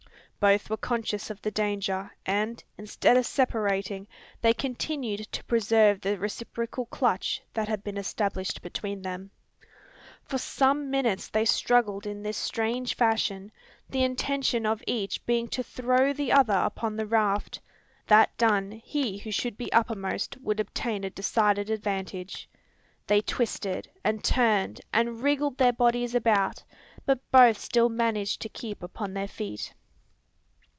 Both were conscious of the danger; and, instead of separating, they continued to preserve the reciprocal "clutch" that had been established between them. For some minutes they struggled in this strange fashion, the intention of each being to throw the other upon the raft. That done, he who should be uppermost would obtain a decided advantage. They twisted, and turned, and wriggled their bodies about; but both still managed to keep upon their feet.